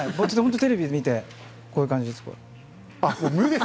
テレビ見て、こういう感じです。